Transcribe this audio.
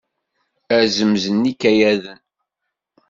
Azemz n yikayaden.